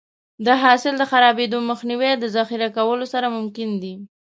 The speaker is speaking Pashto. د حاصل د خرابېدو مخنیوی د ذخیره کولو سره ممکن دی.